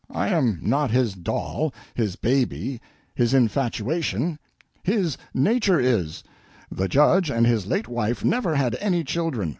I am not his doll his baby his infatuation: his nephew is. The Judge and his late wife never had any children.